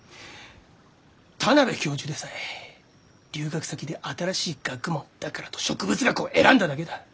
田邊教授でさえ留学先で新しい学問だからと植物学を選んだだけだ！